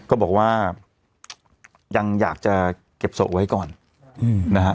ก็บอกว่ายังอยากจะเก็บศพไว้ก่อนนะฮะ